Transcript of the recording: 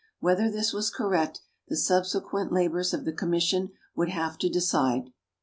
Whether this was correct the subsequent labours of the Commission would have to decide.